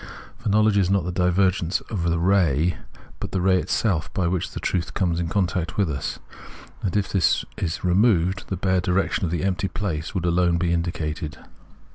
For knowledge is not tke divergence of tke ray, but tke ray itself by wkick tke trutk comes in contact witk us ; and if tkis be removed, tke bare direction or tke empty place would alone be indicated.